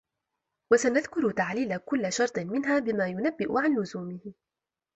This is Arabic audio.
وَسَنَذْكُرُ تَعْلِيلَ كُلِّ شَرْطٍ مِنْهَا بِمَا يُنَبِّئُ عَنْ لُزُومِهِ